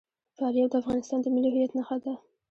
فاریاب د افغانستان د ملي هویت نښه ده.